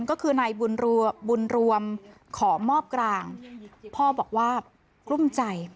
ก็คือนายบุญรวมขอมอบกลางพ่อบอกว่ากลุ้มใจ